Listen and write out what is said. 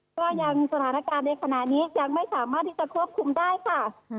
ก็ยังสถานการณ์ในขณะนี้ยังไม่สามารถที่จะควบคุมได้ค่ะ